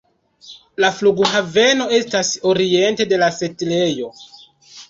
La flughaveno estas oriente de la setlejo.